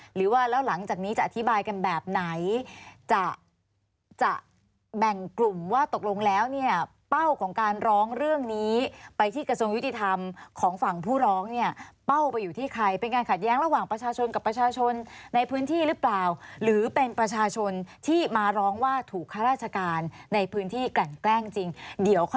หรือว่าแล้วหลังจากนี้จะอธิบายกันแบบไหนจะจะแบ่งกลุ่มว่าตกลงแล้วเนี่ยเป้าของการร้องเรื่องนี้ไปที่กระทรวงยุติธรรมของฝั่งผู้ร้องเนี่ยเป้าไปอยู่ที่ใครเป็นการขัดแย้งระหว่างประชาชนกับประชาชนในพื้นที่หรือเปล่าหรือเป็นประชาชนที่มาร้องว่าถูกข้าราชการในพื้นที่กลั่นแกล้งจริงเดี๋ยวค่อย